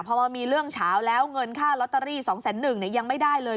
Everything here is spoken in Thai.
เพราะว่ามีเรื่องเฉาแล้วเงินค่าลอตเตอรี่๒แสน๑เนี่ยยังไม่ได้เลย